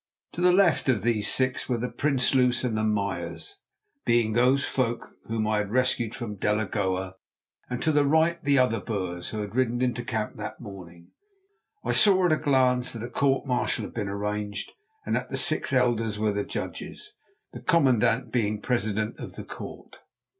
To the left of these six were the Prinsloos and Meyers, being those folk whom I had rescued from Delagoa, and to the right the other Boers who had ridden into the camp that morning. I saw at a glance that a court martial had been arranged and that the six elders were the judges, the commandant being the president of the court.